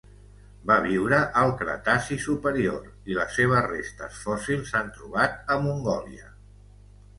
Va viure al Cretaci superior i les seves restes fòssils s'han trobat a Mongòlia.